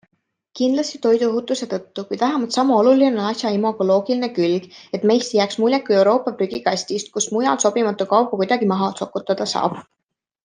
Kindlasti toiduohutuse tõttu, kuid vähemalt sama oluline on asja imagoloogiline külg, et meist ei jääks muljet kui Euroopa prügikastist, kus mujal sobimatu kauba kuidagi maha sokutada saab.